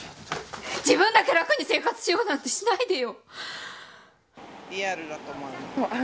自分だけ楽に生活しようなんてしないでよ。